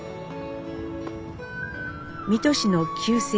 水戸市の旧制